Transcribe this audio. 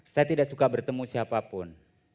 saya tidak suka bertemu siapapun